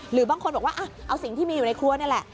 หรือบางคนบอกว่าเอาสิ่งที่มีอยู่ในครัวนี่แหละ